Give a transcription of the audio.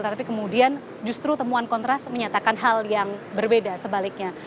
tapi kemudian justru temuan kontras menyatakan hal yang berbeda sebaliknya